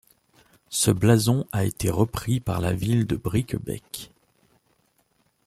Ce blason a été repris par la ville de Bricquebec.